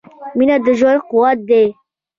• مینه د ژوند قوت دی.